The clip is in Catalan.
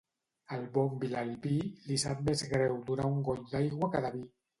Al bon vilalbí, li sap més greu donar un got d'aigua que de vi.